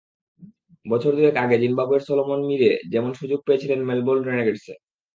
বছর দুয়েক আগে জিম্বাবুয়ের সলোমন মিরে যেমন সুযোগ পেয়েছিলেন মেলবোর্ন রেনেগেডসে।